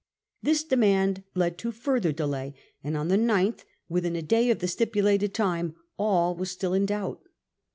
This demand led to further delay, and on the 9th, within a day of the stipulated time, all was still in doubt.